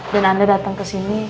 dan anda datang kesini